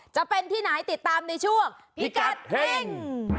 จะเป็นที่ไหนติดตามในช่วงพิกัดเฮ่ง